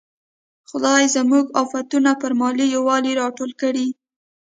خدای زموږ افتونه پر ملي یوالي راټول کړي.